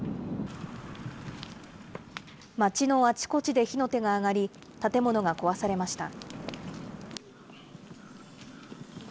街のあちこちで火の手が上がり、建物が壊されました。